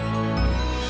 bukan apa apa untuk knots